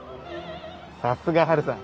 さすがハルさん